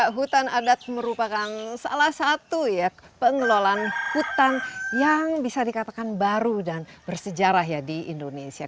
hutan adat merupakan salah satu ya pengelolaan hutan yang bisa dikatakan baru dan bersejarah ya di indonesia